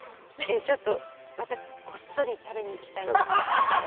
ちょっと、またこっそり食べに行きたいです。